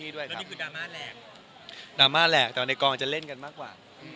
ดราม่าแหลกแต่ว่าในกองจะเล่นกันมากกว่า